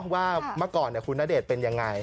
ว่าเมื่อก่อนคุณนาเดชเป็นอย่างไร